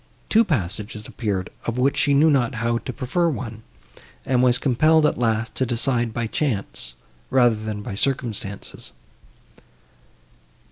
Two passages appeared, of which she knew not how to prefer one, and was compelled, at last, to decide by chance, rather than by circumstances.